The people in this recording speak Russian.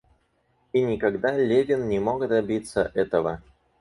И никогда Левин не мог добиться этого.